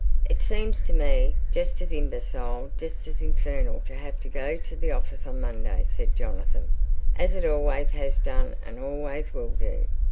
"It seems to me just as imbecile, just as infernal, to have to go to the office on Monday," said Jonathan, "as it always has done and always will do.